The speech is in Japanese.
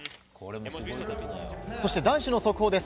そして、男子の速報です。